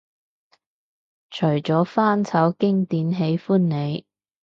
除咗翻炒經典喜歡你